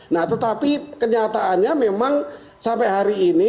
nah tetapi kenyataannya memang sampai hari ini